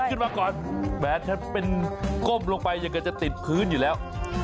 ขึ้นมาก่อนแบนจะเป็นก้มลงไปอย่างเกิดจะติดพื้นอยู่แล้ว